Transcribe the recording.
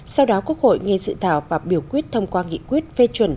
sau đó quốc hội nghe dự thảo và biểu quyết thông qua nghị quyết phê chuẩn